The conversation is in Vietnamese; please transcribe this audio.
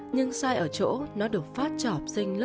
nhưng sai ở chỗ nó được phát trọp sinh lớp một mươi một